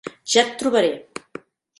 Ja et trobaré!